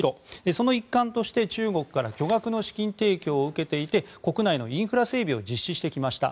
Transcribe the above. その一環として中国から巨額の資金提供を受けていて国内のインフラ整備を実施してきました。